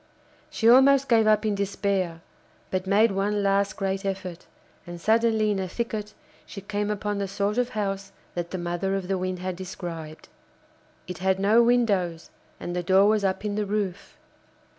She almost gave up in despair, but made one last great effort, and suddenly in a thicket she came upon the sort of house that the mother of the Wind had described. It had no windows, and the door was up in the roof.